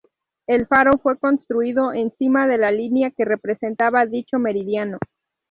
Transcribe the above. El faro fue construido encima de la línea que representaba dicho meridiano.